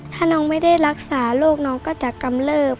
ถ้าน้องไม่ได้รักษาโรคน้องก็จะกำเลิบ